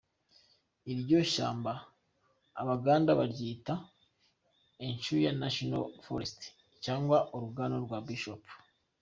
Iryo shyamba Abaganda baryita “Echuya National Forest” cyangwa “Orugano rwa Bishop”.